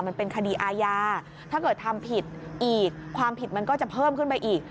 มันเป็นคดีอาญาถ้าเกิดทำผิดอีกความผิดมันก็จะเพิ่มขึ้นไปอีก